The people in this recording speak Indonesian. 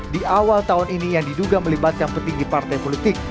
di awal tahun ini yang diduga melibatkan petinggi partai politik